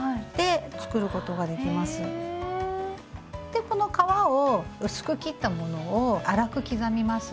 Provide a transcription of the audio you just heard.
でこの皮を薄く切ったものを粗く刻みます。